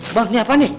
mbak ini apaan nih